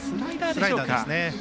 スライダーですね。